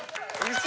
嘘！